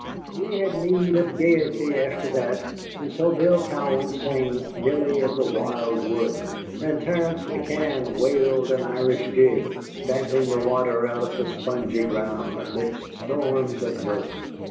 We had need of gayety after that, and so Bill Cowan sang "Billy of the Wild Wood," and Terence McCann wailed an Irish jig, stamping the water out of the spongy ground amidst storms of mirth.